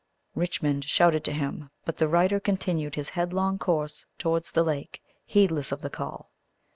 Richmond shouted to him, but the rider continued his headlong course towards the lake, heedless of the call.